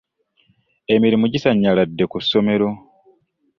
Emirimu gisannyaladde ku ssomero.